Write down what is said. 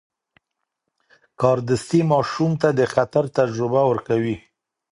کاردستي ماشوم ته د خطر تجربه ورکوي.